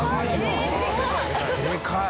△でかいわ。